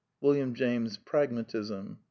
(William James, Pragmatism, pp.